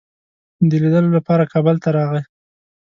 د لیدلو لپاره کابل ته راغی.